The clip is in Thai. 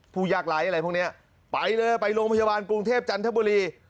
ผู้ยากไร้อะไรพวกนี้ไปเลยไปโรงพยาบาลกรุงเทพจันทบุรี